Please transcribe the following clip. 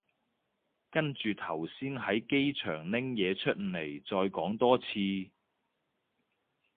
跟住頭先喺機場拎嘢出嚟再講多次